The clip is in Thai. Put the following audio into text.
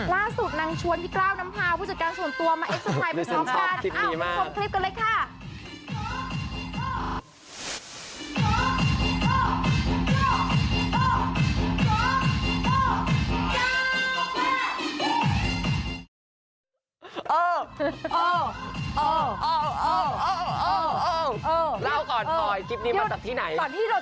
ล่าสุดนางชวนพี่ก้าวน้ำพาวผู้จัดการส่วนตัวมาเอ็กซ์ไพร์